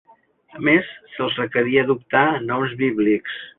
A més, se'ls requeria adoptar noms bíblics.